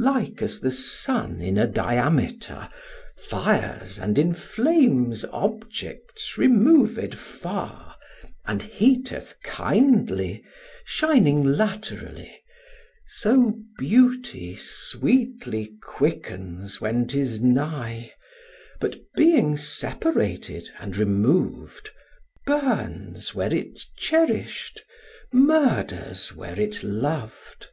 Like as the sun in a diameter Fires and inflames objects removed far, And heateth kindly, shining laterally; So beauty sweetly quickens when 'tis nigh, But being separated and remov'd, Burns where it cherish'd, murders where it lov'd.